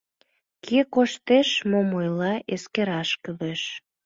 Кӧ коштеш, мом ойлат — эскераш кӱлеш.